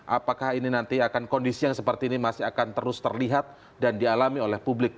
apakah ini nanti akan kondisi yang seperti ini masih akan terus terlihat dan dialami oleh publik